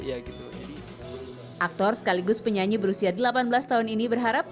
aktor sekaligus penyanyi berusia delapan belas tahun ini berharap